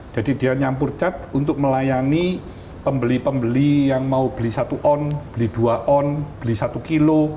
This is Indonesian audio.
jadi dia nyampur cat untuk melayani pembeli pembeli yang mau beli satu on beli dua on beli satu kilo